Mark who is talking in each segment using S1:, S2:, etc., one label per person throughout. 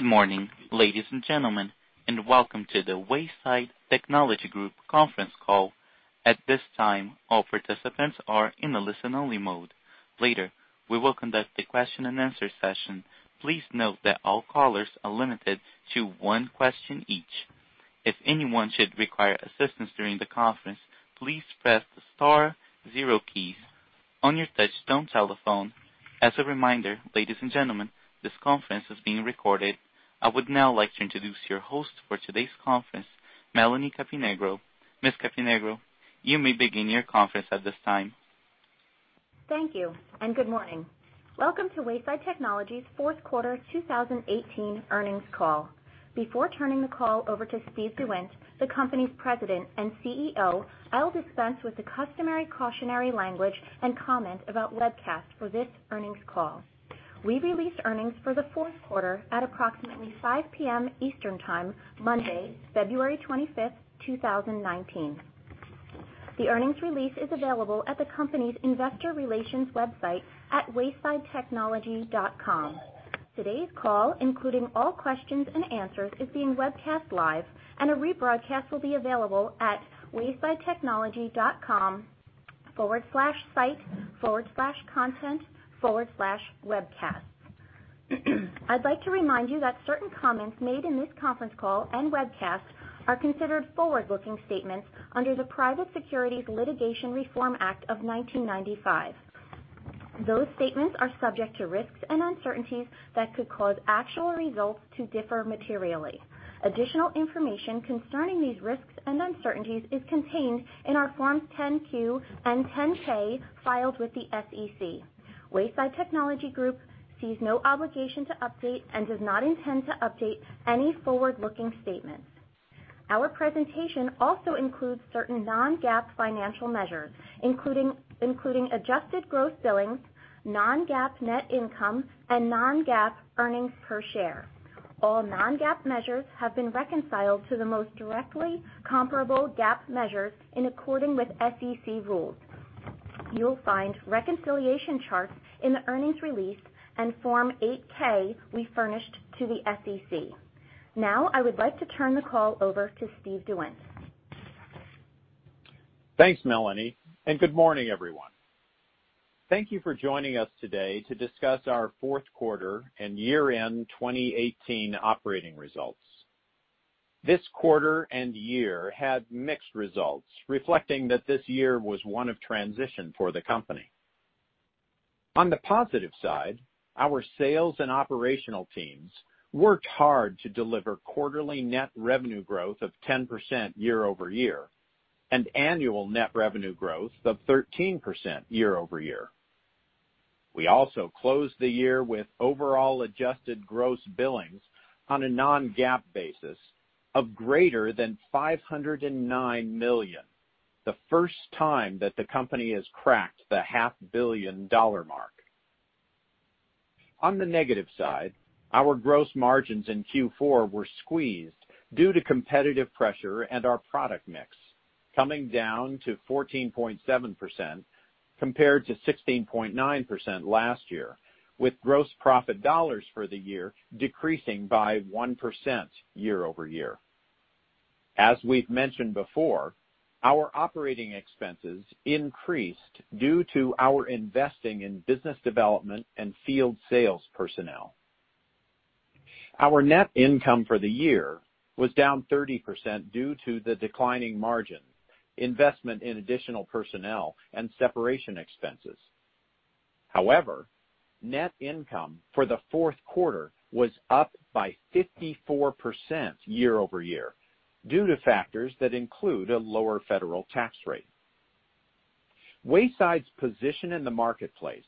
S1: Good morning, ladies and gentlemen. Welcome to the Wayside Technology Group conference call. At this time, all participants are in a listen-only mode. Later, we will conduct a question-and-answer session. Please note that all callers are limited to one question each. If anyone should require assistance during the conference, please press the star zero keys on your touch-tone telephone. As a reminder, ladies and gentlemen, this conference is being recorded. I would now like to introduce your host for today's conference, Melanie Caponigro. Ms. Caponigro, you may begin your conference at this time.
S2: Thank you. Good morning. Welcome to Wayside Technology's fourth quarter 2018 earnings call. Before turning the call over to Steve Dewind, the company's President and CEO, I'll dispense with the customary cautionary language and comment about webcast for this earnings call. We released earnings for the fourth quarter at approximately 5:00 P.M. Eastern Time, Monday, February 25th, 2019. The earnings release is available at the company's Investor Relations website at waysidetechnology.com. Today's call, including all questions-and-answers, is being webcast live. A rebroadcast will be available at waysidetechnology.com/site/content/webcasts. I'd like to remind you that certain comments made in this conference call and webcast are considered forward-looking statements under the Private Securities Litigation Reform Act of 1995. Those statements are subject to risks and uncertainties that could cause actual results to differ materially. Additional information concerning these risks and uncertainties is contained in our Forms 10-Q and 10-K filed with the SEC. Wayside Technology Group sees no obligation to update and does not intend to update any forward-looking statements. Our presentation also includes certain non-GAAP financial measures, including adjusted gross billings, non-GAAP net income, and non-GAAP earnings per share. All non-GAAP measures have been reconciled to the most directly comparable GAAP measure in accordance with SEC rules. You'll find reconciliation charts in the earnings release and Form 8-K we furnished to the SEC. I would like to turn the call over to Steve Dewind.
S3: Thanks, Melanie. Good morning, everyone. Thank you for joining us today to discuss our fourth quarter and year-end 2018 operating results. This quarter and year had mixed results, reflecting that this year was one of transition for the company. On the positive side, our sales and operational teams worked hard to deliver quarterly net revenue growth of 10% year-over-year. Annual net revenue growth of 13% year-over-year. We also closed the year with overall adjusted gross billings on a non-GAAP basis of greater than $509 million, the first time that the company has cracked the half-billion dollar mark. On the negative side, our gross margins in Q4 were squeezed due to competitive pressure and our product mix coming down to 14.7% compared to 16.9% last year, with gross profit dollars for the year decreasing by 1% year-over-year. As we've mentioned before, our operating expenses increased due to our investing in business development and field sales personnel. Our net income for the year was down 30% due to the declining margin, investment in additional personnel, and separation expenses. Net income for the fourth quarter was up by 54% year-over-year due to factors that include a lower federal tax rate. Wayside's position in the marketplace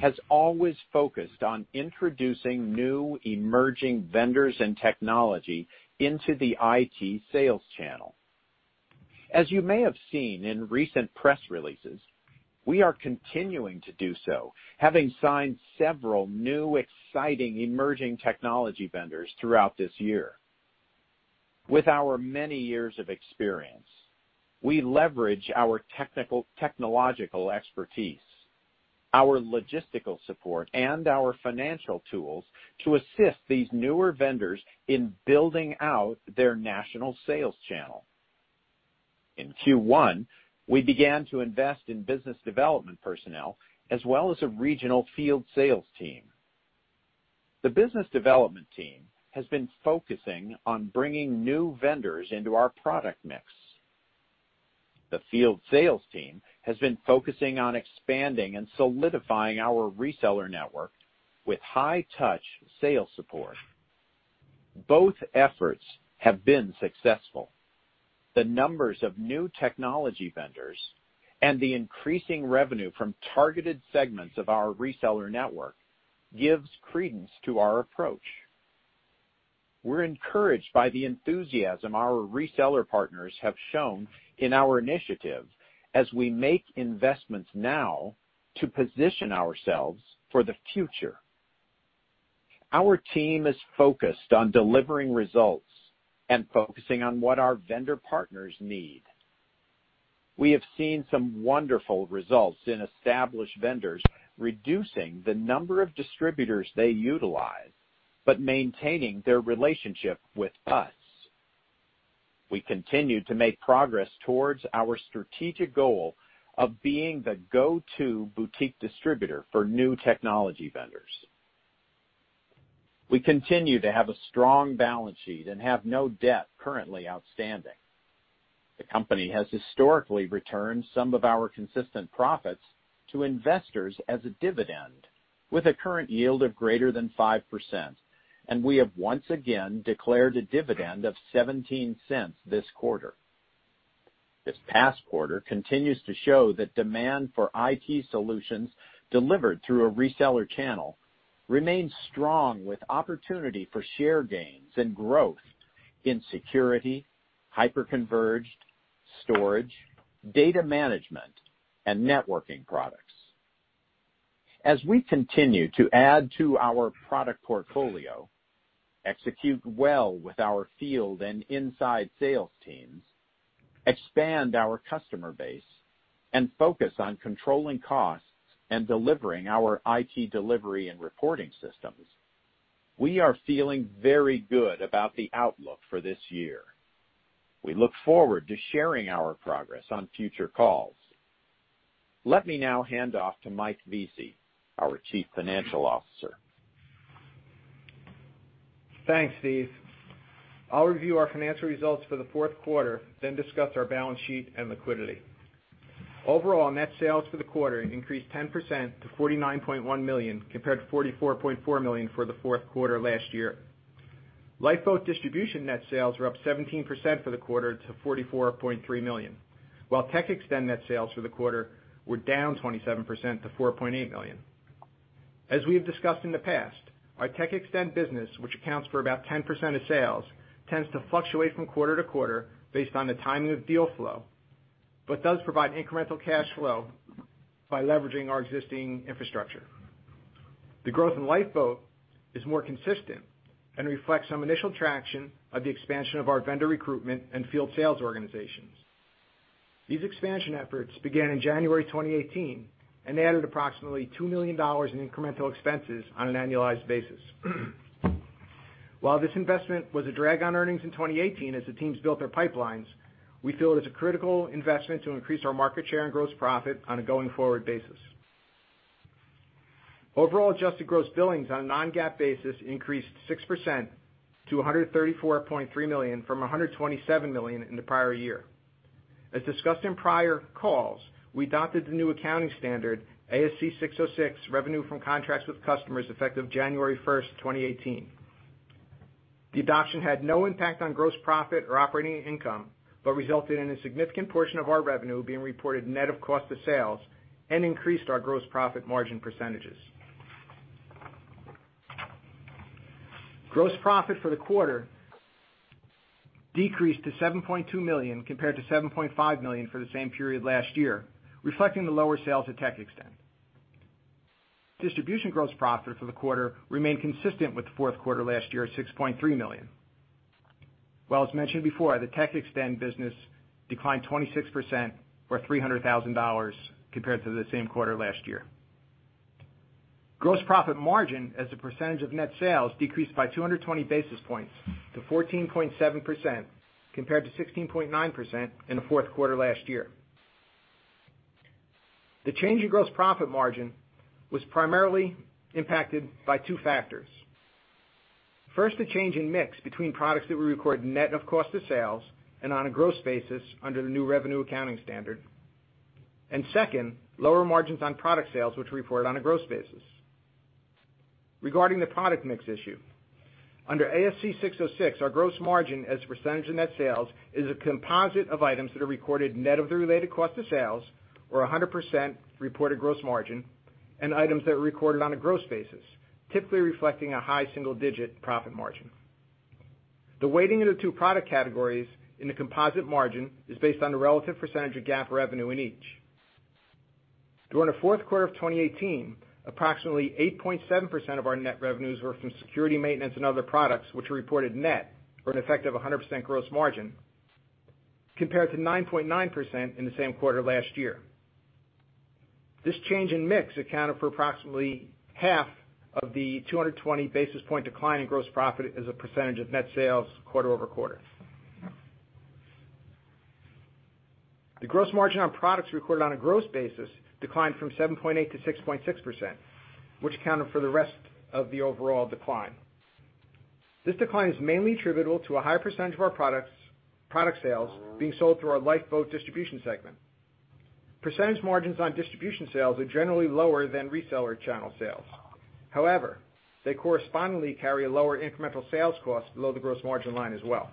S3: has always focused on introducing new emerging vendors and technology into the IT sales channel. As you may have seen in recent press releases, we are continuing to do so, having signed several new, exciting emerging technology vendors throughout this year. With our many years of experience, we leverage our technological expertise, our logistical support, and our financial tools to assist these newer vendors in building out their national sales channel. In Q1, we began to invest in business development personnel as well as a regional field sales team. The business development team has been focusing on bringing new vendors into our product mix. The field sales team has been focusing on expanding and solidifying our reseller network with high-touch sales support. Both efforts have been successful. The numbers of new technology vendors and the increasing revenue from targeted segments of our reseller network gives credence to our approach. We're encouraged by the enthusiasm our reseller partners have shown in our initiative as we make investments now to position ourselves for the future. Our team is focused on delivering results and focusing on what our vendor partners need. We have seen some wonderful results in established vendors reducing the number of distributors they utilize, but maintaining their relationship with us. We continue to make progress towards our strategic goal of being the go-to boutique distributor for new technology vendors. We continue to have a strong balance sheet and have no debt currently outstanding. The company has historically returned some of our consistent profits to investors as a dividend with a current yield of greater than 5%, and we have once again declared a dividend of $0.17 this quarter. This past quarter continues to show that demand for IT solutions delivered through a reseller channel remains strong, with opportunity for share gains and growth in security, hyper-converged storage, data management, and networking products. As we continue to add to our product portfolio, execute well with our field and inside sales teams, expand our customer base, and focus on controlling costs and delivering our IT delivery and reporting systems, we are feeling very good about the outlook for this year. We look forward to sharing our progress on future calls. Let me now hand off to Mike Veasy, our Chief Financial Officer.
S4: Thanks, Steve. I'll review our financial results for the fourth quarter, then discuss our balance sheet and liquidity. Overall net sales for the quarter increased 10% to $49.1 million, compared to $44.4 million for the fourth quarter last year. Lifeboat Distribution net sales were up 17% for the quarter to $44.3 million, while TechXtend net sales for the quarter were down 27% to $4.8 million. As we have discussed in the past, our TechXtend business, which accounts for about 10% of sales, tends to fluctuate from quarter-to-quarter based on the timing of deal flow, but does provide incremental cash flow by leveraging our existing infrastructure. The growth in Lifeboat is more consistent and reflects some initial traction of the expansion of our vendor recruitment and field sales organizations. These expansion efforts began in January 2018 and added approximately $2 million in incremental expenses on an annualized basis. While this investment was a drag on earnings in 2018 as the teams built their pipelines, we feel it is a critical investment to increase our market share and gross profit on a going-forward basis. Overall adjusted gross billings on a non-GAAP basis increased 6% to $134.3 million from $127 million in the prior year. As discussed in prior calls, we adopted the new accounting standard, ASC 606, Revenue from Contracts with Customers, effective January 1st, 2018. The adoption had no impact on gross profit or operating income, but resulted in a significant portion of our revenue being reported net of cost of sales and increased our gross profit margin percentages. Gross profit for the quarter decreased to $7.2 million compared to $7.5 million for the same period last year, reflecting the lower sales at TechXtend. Distribution gross profit for the quarter remained consistent with the fourth quarter last year at $6.3 million. As mentioned before, the TechXtend business declined 26% or $300,000 compared to the same quarter last year. Gross profit margin as a percentage of net sales decreased by 220 basis points to 14.7% compared to 16.9% in the fourth quarter last year. The change in gross profit margin was primarily impacted by two factors. First, the change in mix between products that we record net of cost of sales and on a gross basis under the new revenue accounting standard. Second, lower margins on product sales, which we reported on a gross basis. Regarding the product mix issue, under ASC 606, our gross margin as a percentage of net sales is a composite of items that are recorded net of the related cost of sales or 100% reported gross margin, and items that were recorded on a gross basis, typically reflecting a high single-digit profit margin. The weighting of the two product categories in the composite margin is based on the relative percentage of GAAP revenue in each. During the fourth quarter of 2018, approximately 8.7% of our net revenues were from security maintenance and other products which were reported net or an effective 100% gross margin, compared to 9.9% in the same quarter last year. This change in mix accounted for approximately half of the 220 basis point decline in gross profit as a percentage of net sales quarter-over-quarter. The gross margin on products recorded on a gross basis declined from 7.8% to 6.6%, which accounted for the rest of the overall decline. This decline is mainly attributable to a high percentage of our product sales being sold through our Lifeboat Distribution segment. Percentage margins on distribution sales are generally lower than reseller channel sales. However, they correspondingly carry a lower incremental sales cost below the gross margin line as well.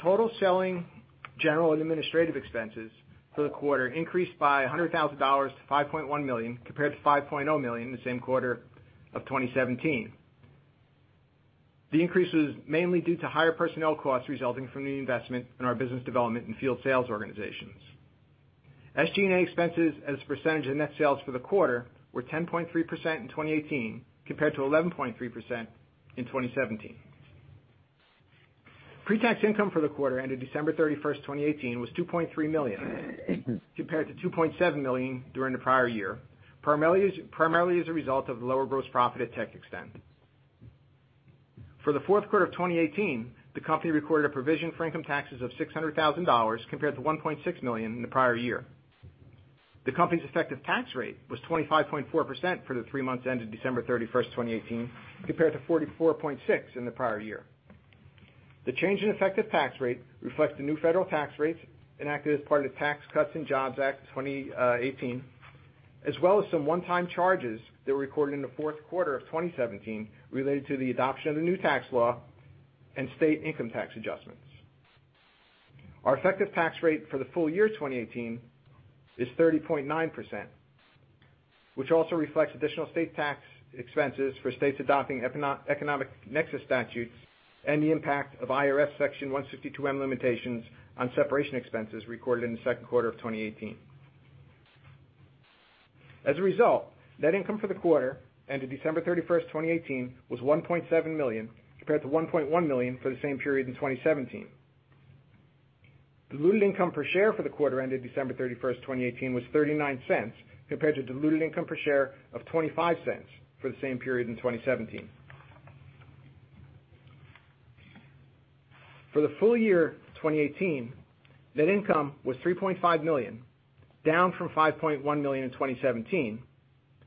S4: Total selling general and administrative expenses for the quarter increased by $100,000 to $5.1 million, compared to $5.0 million in the same quarter of 2017. The increase was mainly due to higher personnel costs resulting from the investment in our business development and field sales organizations. SG&A expenses as a percentage of net sales for the quarter were 10.3% in 2018 compared to 11.3% in 2017. Pre-tax income for the quarter ended December 31st, 2018, was $2.3 million compared to $2.7 million during the prior year, primarily as a result of lower gross profit at TechXtend. For the fourth quarter of 2018, the company recorded a provision for income taxes of $600,000 compared to $1.6 million in the prior year. The company's effective tax rate was 25.4% for the three months ended December 31st, 2018, compared to 44.6% in the prior year. The change in effective tax rate reflects the new federal tax rates enacted as part of the Tax Cuts and Jobs Act of 2017, as well as some one-time charges that were recorded in the fourth quarter of 2017 related to the adoption of the new tax law and state income tax adjustments. Our effective tax rate for the full-year 2018 is 30.9%, which also reflects additional state tax expenses for states adopting economic nexus statutes and the impact of IRS Section 162 limitations on separation expenses recorded in the second quarter of 2018. As a result, net income for the quarter ended December 31st, 2018, was $1.7 million, compared to $1.1 million for the same period in 2017. Diluted income per share for the quarter ended December 31st, 2018, was $0.39, compared to diluted income per share of $0.25 for the same period in 2017. For the full-year 2018, net income was $3.5 million, down from $5.1 million in 2017.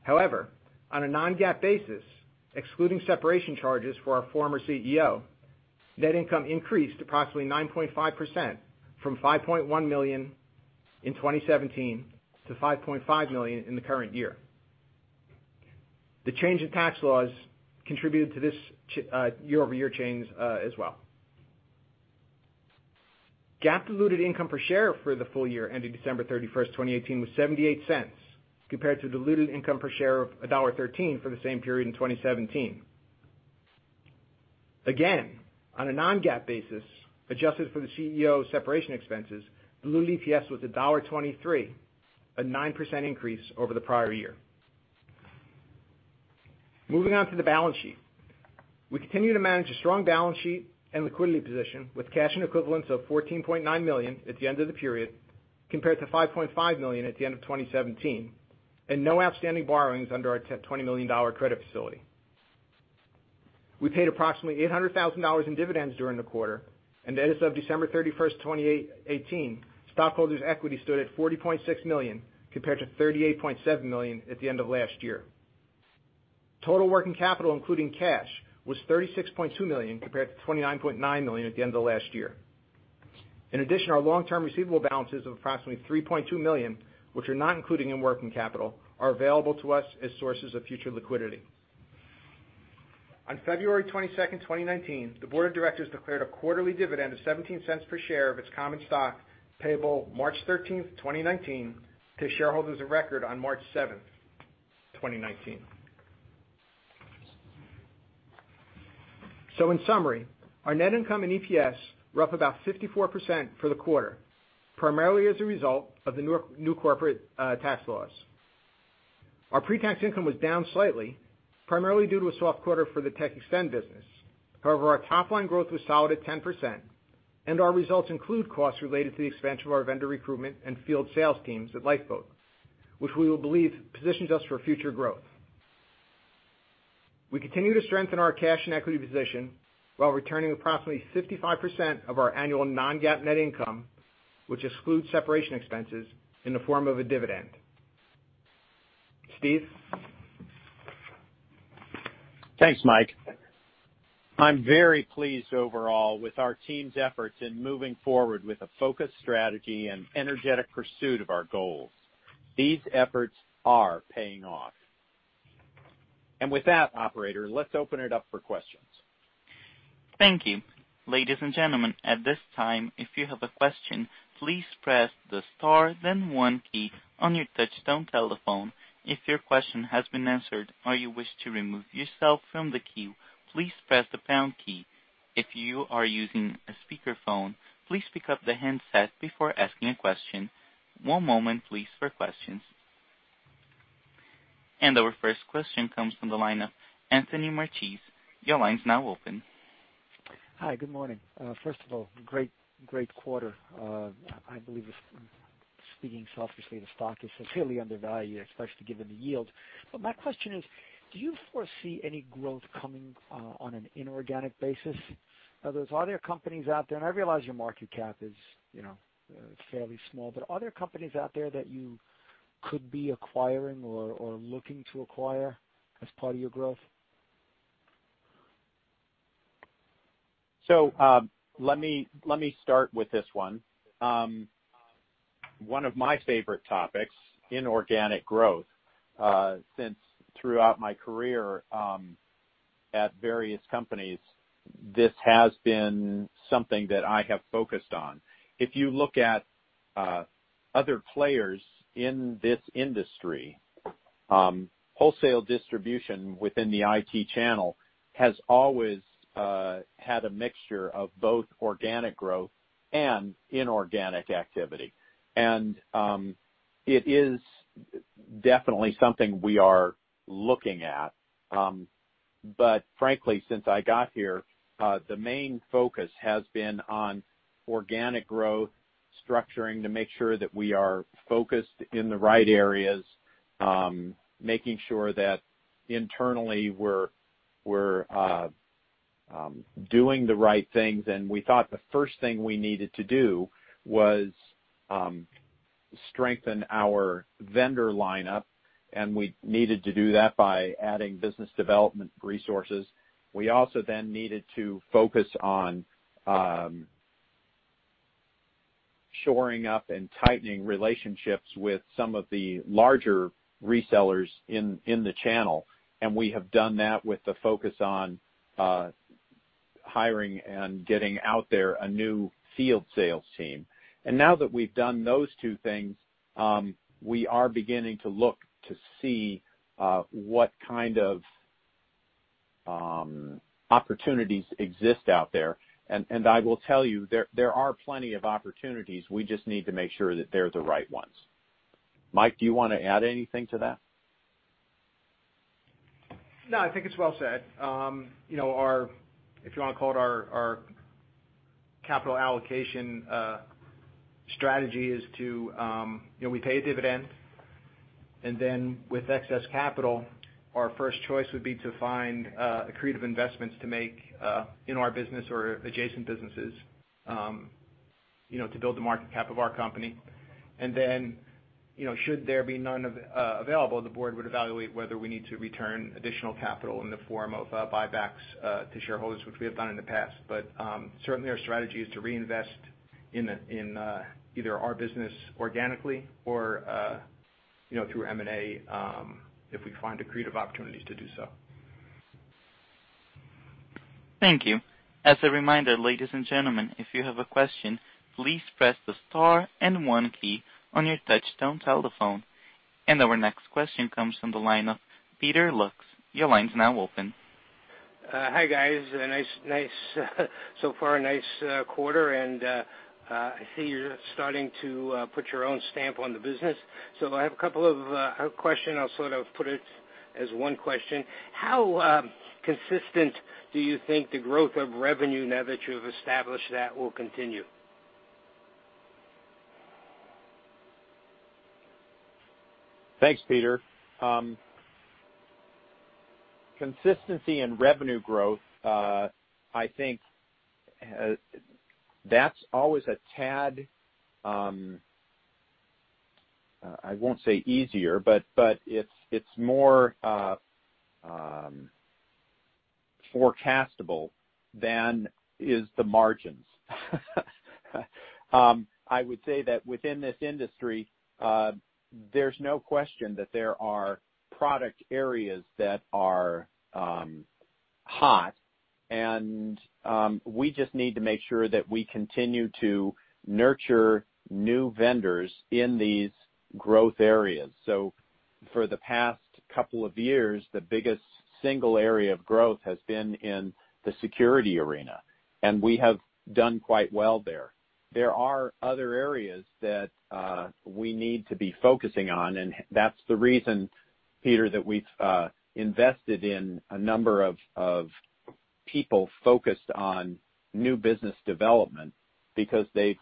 S4: On a non-GAAP basis, excluding separation charges for our former CEO, net income increased approximately 9.5% from $5.1 million in 2017 to $5.5 million in the current year. The change in tax laws contributed to this year-over-year change as well. GAAP diluted income per share for the full-year ending December 31st, 2018, was $0.78, compared to diluted income per share of $1.13 for the same period in 2017. On a non-GAAP basis, adjusted for the CEO separation expenses, diluted EPS was $1.23, a 9% increase over the prior year. Moving on to the balance sheet. We continue to manage a strong balance sheet and liquidity position with cash and equivalents of $14.9 million at the end of the period, compared to $5.5 million at the end of 2017, and no outstanding borrowings under our $20 million credit facility. We paid approximately $800,000 in dividends during the quarter, and as of December 31st, 2018, stockholders' equity stood at $40.6 million, compared to $38.7 million at the end of last year. Total working capital, including cash, was $36.2 million, compared to $29.9 million at the end of last year. In addition, our long-term receivable balances of approximately $3.2 million, which are not included in working capital, are available to us as sources of future liquidity. On February 22nd, 2019, the board of directors declared a quarterly dividend of $0.17 per share of its common stock, payable March 13th, 2019, to shareholders of record on March 7th, 2019. In summary, our net income and EPS were up about 54% for the quarter, primarily as a result of the new corporate tax laws. Our pre-tax income was down slightly, primarily due to a soft quarter for the TechXtend business. However, our top-line growth was solid at 10%, and our results include costs related to the expansion of our vendor recruitment and field sales teams at Lifeboat, which we believe positions us for future growth. We continue to strengthen our cash and equity position while returning approximately 55% of our annual non-GAAP net income, which excludes separation expenses, in the form of a dividend. Steve?
S3: Thanks, Mike. I'm very pleased overall with our team's efforts in moving forward with a focused strategy and energetic pursuit of our goals. These efforts are paying off. With that, operator, let's open it up for questions.
S1: Thank you. Ladies and gentlemen, at this time, if you have a question, please press the star then one key on your touch-tone telephone. If your question has been answered or you wish to remove yourself from the queue, please press the pound key. If you are using a speakerphone, please pick up the handset before asking a question. One moment, please, for questions. Our first question comes from the line of Anthony Maltese. Your line's now open.
S5: Hi, good morning. First of all, great quarter. I believe, speaking selfishly, the stock is severely undervalued, especially given the yield. My question is, do you foresee any growth coming on an inorganic basis? Are there companies out there, and I realize your market cap is fairly small, are there companies out there that you could be acquiring or looking to acquire as part of your growth?
S3: Let me start with this one. One of my favorite topics, inorganic growth. Since throughout my career at various companies, this has been something that I have focused on. If you look at other players in this industry. Wholesale distribution within the IT channel has always had a mixture of both organic growth and inorganic activity. It is definitely something we are looking at. Frankly, since I got here, the main focus has been on organic growth, structuring to make sure that we are focused in the right areas, making sure that internally we're doing the right things. We thought the first thing we needed to do was strengthen our vendor lineup, and we needed to do that by adding business development resources. We also then needed to focus on shoring up and tightening relationships with some of the larger resellers in the channel, and we have done that with the focus on hiring and getting out there a new field sales team. Now that we've done those two things, we are beginning to look to see what kind of opportunities exist out there. I will tell you, there are plenty of opportunities. We just need to make sure that they're the right ones. Mike, do you want to add anything to that?
S4: No, I think it's well said. If you want to call it our capital allocation strategy is to, we pay a dividend, and then with excess capital, our first choice would be to find accretive investments to make in our business or adjacent businesses, to build the market cap of our company. Then, should there be none available, the board would evaluate whether we need to return additional capital in the form of buybacks to shareholders, which we have done in the past. Certainly our strategy is to reinvest in either our business organically or, through M&A, if we find accretive opportunities to do so.
S1: Thank you. As a reminder, ladies and gentlemen, if you have a question, please press the star and one key on your touch-tone telephone. Our next question comes from the line of Peter Lux. Your line's now open.
S6: Hi, guys. So far, a nice quarter, I see you're starting to put your own stamp on the business. I have a couple of questions. I'll sort of put it as one question. How consistent do you think the growth of revenue, now that you've established that, will continue?
S3: Thanks, Peter. Consistency in revenue growth, I think that's always a tad, I won't say easier, but it's more forecastable than is the margins. I would say that within this industry, there's no question that there are product areas that are hot, we just need to make sure that we continue to nurture new vendors in these growth areas. For the past couple of years, the biggest single area of growth has been in the security arena, we have done quite well there. There are other areas that we need to be focusing on, that's the reason, Peter, that we've invested in a number of people focused on new business development because they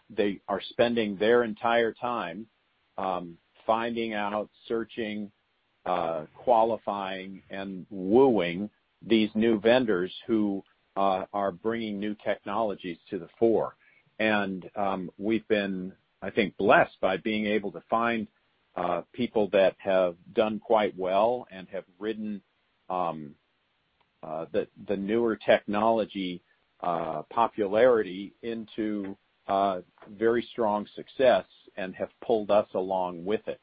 S3: are spending their entire time finding out, searching, qualifying, and wooing these new vendors who are bringing new technologies to the fore. We've been, I think, blessed by being able to find people that have done quite well and have ridden the newer technology popularity into very strong success and have pulled us along with it.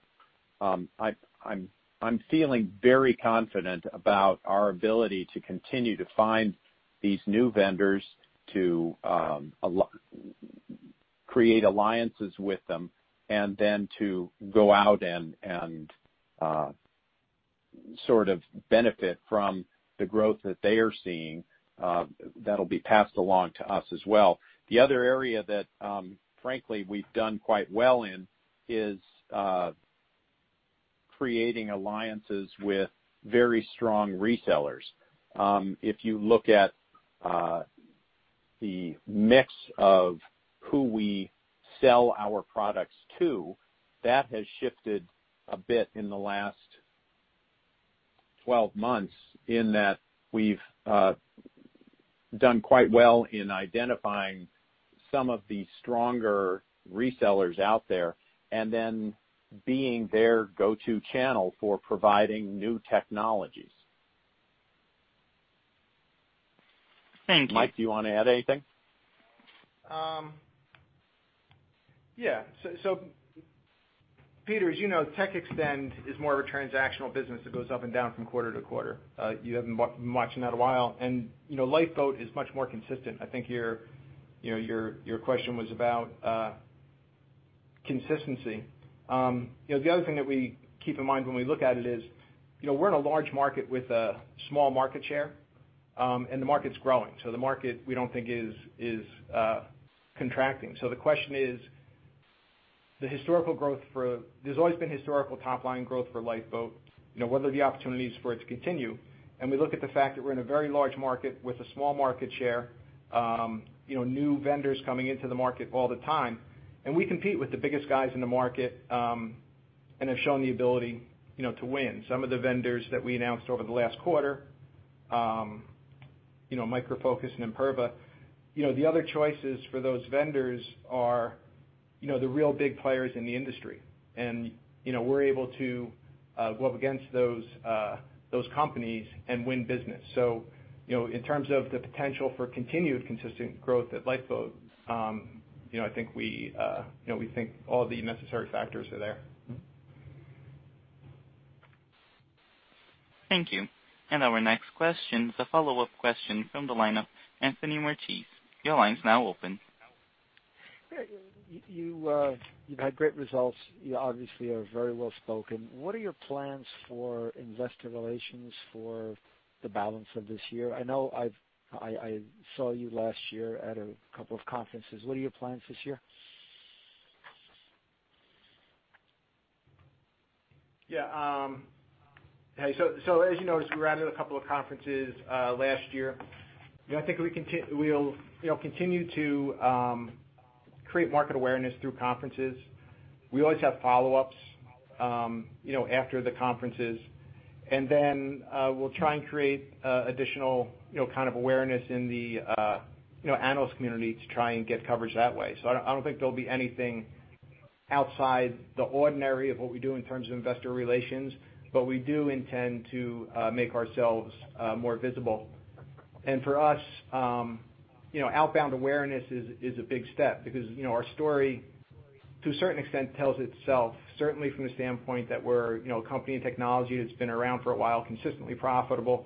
S3: I'm feeling very confident about our ability to continue to find these new vendors, to create alliances with them, then to go out and sort of benefit from the growth that they are seeing that'll be passed along to us as well. The other area that, frankly, we've done quite well in is creating alliances with very strong resellers. If you look at the mix of who we sell our products to, that has shifted a bit in the last 12 months in that we've done quite well in identifying some of the stronger resellers out there and then being their go-to channel for providing new technologies.
S6: Thank you.
S3: Mike, do you want to add anything?
S4: Peter, as you know, TechXtend is more of a transactional business that goes up and down from quarter to quarter. You haven't been watching that a while, and Lifeboat is much more consistent. I think your question was about consistency. The other thing that we keep in mind when we look at it is, we're in a large market with a small market share, and the market's growing. The market, we don't think is contracting. The question is, there's always been historical top-line growth for Lifeboat. What are the opportunities for it to continue? We look at the fact that we're in a very large market with a small market share. New vendors coming into the market all the time, and we compete with the biggest guys in the market, and have shown the ability to win. Some of the vendors that we announced over the last quarter, Micro Focus and Imperva. The other choices for those vendors are the real big players in the industry. We're able to go up against those companies and win business. In terms of the potential for continued consistent growth at Lifeboat, we think all the necessary factors are there.
S1: Thank you. Our next question is a follow-up question from the line of Anthony Maltese. Your line's now open.
S5: You've had great results. You obviously are very well-spoken. What are your plans for investor relations for the balance of this year? I know I saw you last year at a couple of conferences. What are your plans this year?
S4: Yeah. As you noticed, we w ere out at a couple of conferences last year. I think we'll continue to create market awareness through conferences. We always have follow-ups after the conferences. Then, we'll try and create additional kind of awareness in the analyst community to try and get coverage that way. I don't think there'll be anything outside the ordinary of what we do in terms of investor relations. We do intend to make ourselves more visible. For us, outbound awareness is a big step because our story, to a certain extent, tells itself, certainly from the standpoint that we're a company and technology that's been around for a while, consistently profitable,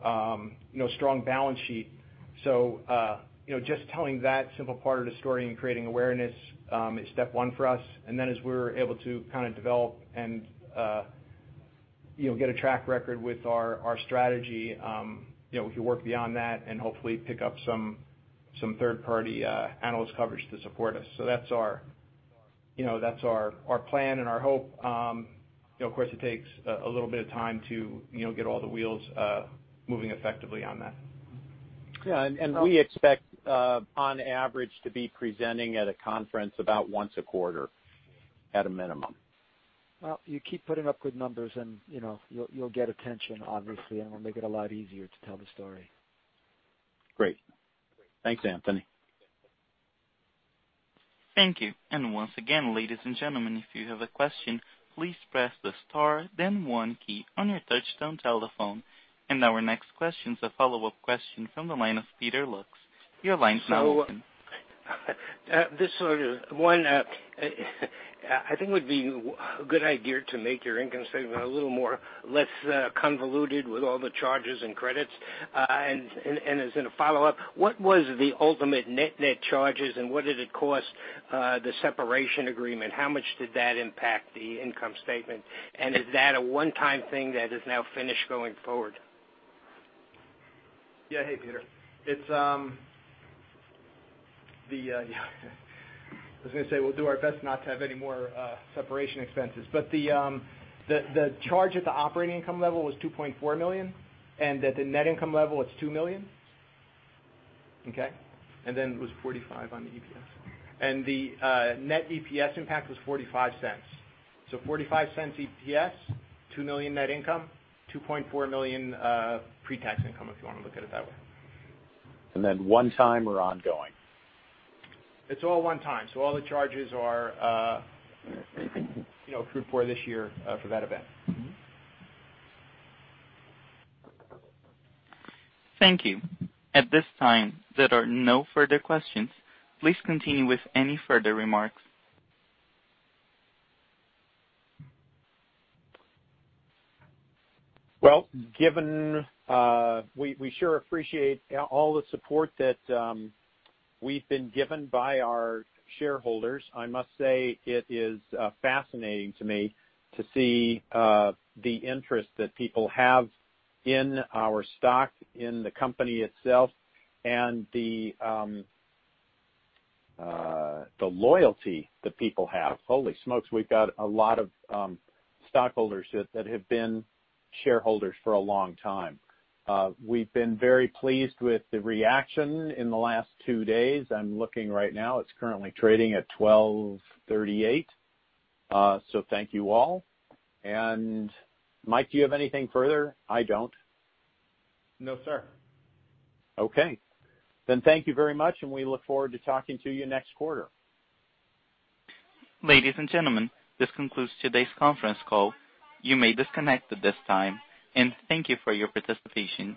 S4: strong balance sheet. Just telling that simple part of the story and creating awareness is step one for us. Then as we're able to kind of develop and get a track record with our strategy, we can work beyond that and hopefully pick up some third-party analyst coverage to support us. That's our plan and our hope. Of course, it takes a little bit of time to get all the wheels moving effectively on that.
S3: Yeah. We expect, on average, to be presenting at a conference about once a quarter at a minimum.
S5: Well, you keep putting up good numbers and you'll get attention, obviously, and it'll make it a lot easier to tell the story.
S3: Great. Thanks, Anthony.
S1: Thank you. Once again, ladies and gentlemen, if you have a question, please press the star then one key on your touch-tone telephone. Our next question is a follow-up question from the line of Peter Lux. Your line is now open.
S6: This one I think it would be a good idea to make your income statement a little more less convoluted with all the charges and credits. As in a follow-up, what was the ultimate net charges, and what did it cost the separation agreement? How much did that impact the income statement? Is that a one-time thing that is now finished going forward?
S4: Yeah. Hey, Peter. I was going to say, we'll do our best not to have any more separation expenses. The charge at the operating income level was $2.4 million and at the net income level, it's $2 million. Okay? It was $0.45 on the EPS. The net EPS impact was $0.45. $0.45 EPS, $2 million net income, $2.4 million pre-tax income, if you want to look at it that way.
S6: One time or ongoing?
S4: It's all one time. All the charges are accrued for this year for that event.
S1: Thank you. At this time, there are no further questions. Please continue with any further remarks.
S3: Well, we sure appreciate all the support that we've been given by our shareholders. I must say it is fascinating to me to see the interest that people have in our stock, in the company itself, and the loyalty that people have. Holy smokes, we've got a lot of stockholders that have been shareholders for a long time. We've been very pleased with the reaction in the last two days. I'm looking right now. It's currently trading at $12.38. Thank you all. Mike, do you have anything further? I don't.
S4: No, sir.
S3: Okay. Thank you very much. We look forward to talking to you next quarter.
S1: Ladies and gentlemen, this concludes today's conference call. You may disconnect at this time, and thank you for your participation.